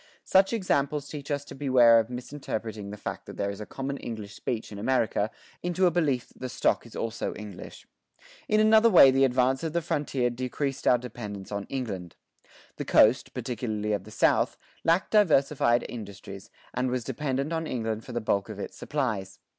[23:2] Such examples teach us to beware of misinterpreting the fact that there is a common English speech in America into a belief that the stock is also English. In another way the advance of the frontier decreased our dependence on England. The coast, particularly of the South, lacked diversified industries, and was dependent on England for the bulk of its supplies.